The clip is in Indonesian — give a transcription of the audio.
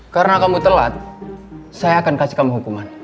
karena kamu telat saya akan kasih kamu hukuman